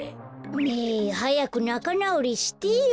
ねえはやくなかなおりしてよ。